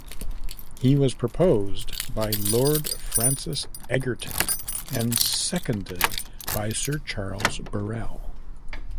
He was proposed by Lord Francis Egerton and seconded by Sir Charles Burrell.